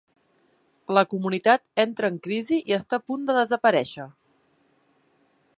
La comunitat entra en crisi i està a punt de desaparèixer.